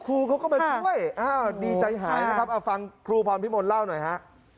ครูเขาก็มาช่วยดีใจหายนะครับเอาฟังครูพรพิมลเล่าหน่อยฮะ